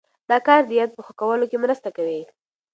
دا کار د یاد په ښه کولو کې مرسته کوي.